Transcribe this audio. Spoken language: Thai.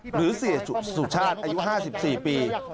หรือเสียสุชาติอายุ๕๔ปี